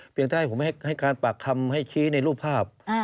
เพียงแต่ให้ผมให้การปากคำให้ชี้ในรูปภาพ